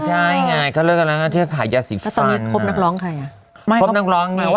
ใช่ไงเขาเริ่มกันแล้วที่กับภายใยสิทธิฟังคบนักร้องใครอะ